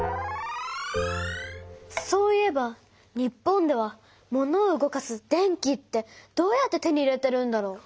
そういえば日本ではモノを動かす電気ってどうやって手に入れてるんだろう？